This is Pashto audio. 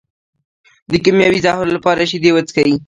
د کیمیاوي زهرو لپاره شیدې وڅښئ